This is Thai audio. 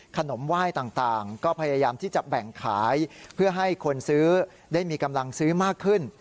ขนมไหว้ต่างก็พยายามที่จะแบ่งขายเพื่อให้คนซื้อได้มีกำลังซื้อมากขึ้น